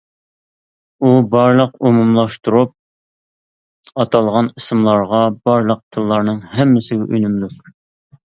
ئۇ بارلىق ئومۇملاشتۇرۇپ ئاتالغان ئىسىملارغا، بارلىق تىللارنىڭ ھەممىسىگە ئۈنۈملۈك.